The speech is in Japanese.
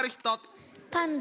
パンダ。